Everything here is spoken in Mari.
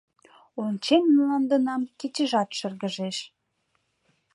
Ончен мландынам кечыжат шыргыжеш.